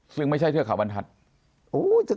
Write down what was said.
ซึ่งไม่ใช่เทือกเขาบรรทัศน์